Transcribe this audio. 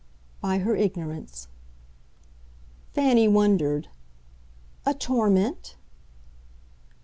"By her ignorance." Fanny wondered. "A torment